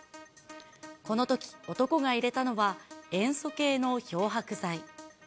このとき、男が入れたのは塩素系の漂白剤。